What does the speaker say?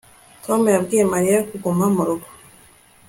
Tom yabwiye Mariya kuguma mu rugo